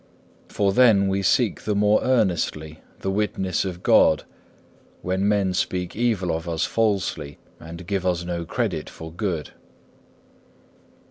For then we seek the more earnestly the witness of God, when men speak evil of us falsely, and give us no credit for good.